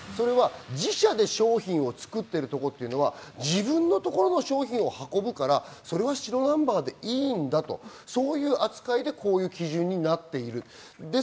自社で商品を作っているところというのは自分のところの商品を運ぶから、白ナンバーでいいんだという扱いでこういう基準になっています。